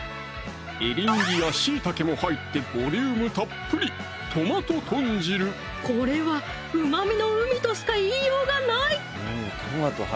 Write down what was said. エリンギやしいたけも入ってボリュームたっぷりこれはうまみの海としか言いようがない！